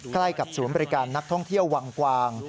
ใกล้กับศูนย์บริการนักท่องเที่ยววังกวาง